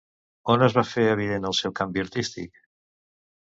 On es va fer evident el seu canvi artístic?